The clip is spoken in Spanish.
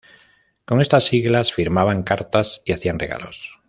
Con estas siglas firmaban cartas y hacían regalos.